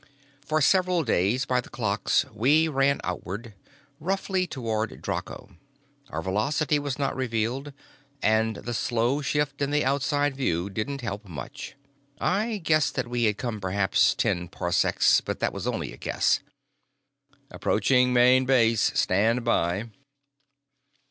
For several days by the clocks we ran outward, roughly toward Draco. Our velocity was not revealed, and the slow shift in the outside view didn't help much. I guess that we had come perhaps ten parsecs, but that was only a guess. "_Approaching Main Base. Stand by.